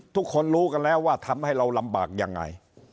ทุกคนรู้กันแล้วว่าทำให้เราลำบากยังไง